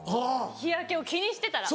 日焼けを気にしてたら。